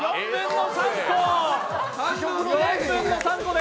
４分の３個！